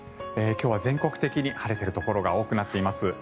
今日は全国的に晴れているところが多くなっています。